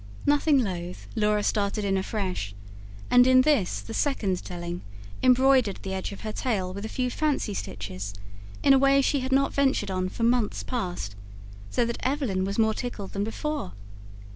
Nothing loath Laura started in afresh, and in this, the second telling, embroidered the edge of her tale with a few fancy stitches, in a way she had not ventured on for months past; so that Evelyn was more tickled than before.